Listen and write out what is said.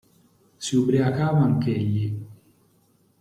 Si ubriacava anch'egli.